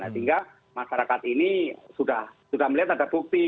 sehingga masyarakat ini sudah melihat ada bukti